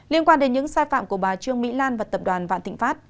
liên quan đến những sai phạm của bà trương mỹ lan và tập đoàn vạn thịnh pháp